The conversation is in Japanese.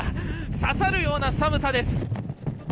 刺さるような寒さです。